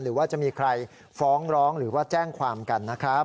หรือว่าจะมีใครฟ้องร้องหรือว่าแจ้งความกันนะครับ